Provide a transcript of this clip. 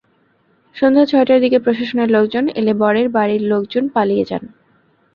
সন্ধ্যা ছয়টার দিকে প্রশাসনের লোকজন এলে বরের বাড়ির লোকজন পালিয়ে যান।